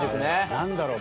何だろう。